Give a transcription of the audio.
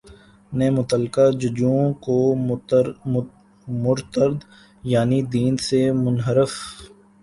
نے متعلقہ ججوں کو مرتد یعنی دین سے منحرف